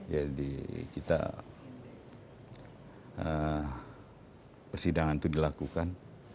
jadi kita persidangan itu dilakukan